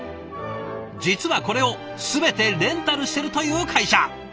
実はこれを全てレンタルしてるという会社。